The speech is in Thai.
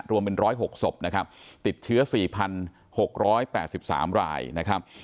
รวมเป็นร้อยหกศพนะครับติดเชื้อสี่พันหกร้อยแปดสิบสามรายนะครับ